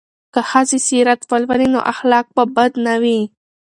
که ښځې سیرت ولولي نو اخلاق به بد نه وي.